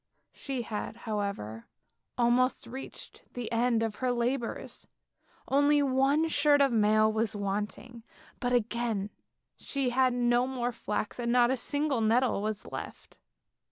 She had, however, almost reached the end of her labours, only one shirt of mail was wanting, but again she had no more flax and not a single nettle was left.